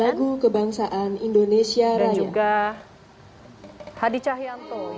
lagu kebangsaan indonesia raya